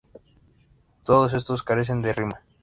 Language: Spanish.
Todos estos carecen de rima.